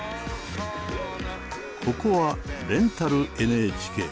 ここは「レンタルＮＨＫ」。